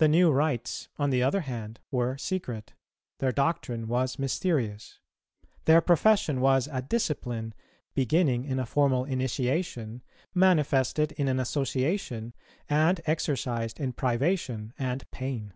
The new rites, on the other hand, were secret; their doctrine was mysterious; their profession was a discipline, beginning in a formal initiation, manifested in an association, and exercised in privation and pain.